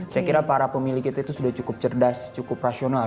saya kira para pemilih kita itu sudah cukup cerdas cukup rasional